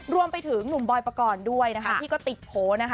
รวมไปถึงหนุ่มบอยปกรณ์ด้วยนะคะที่ก็ติดโพลนะคะ